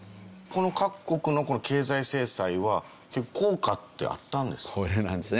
各国のこの経済制裁は効果ってあったんですか？